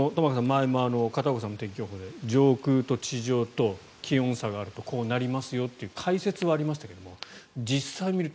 前も片岡さんの天気予報で上空と地上と気温差があるとこうなりますよっていう解説はありましたけど７ｃｍでしょ？